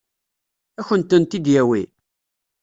Ad kent-tent-id-yawi?